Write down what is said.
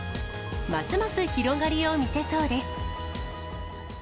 ますます広がりを見せそうです。